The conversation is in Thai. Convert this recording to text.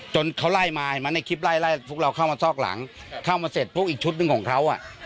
เขาไล่มาเห็นไหมในคลิปไล่ไล่พวกเราเข้ามาซอกหลังเข้ามาเสร็จพวกอีกชุดหนึ่งของเขาอ่ะ